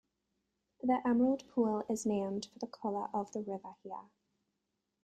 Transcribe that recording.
The Emerald Pool is named for the color of the river here.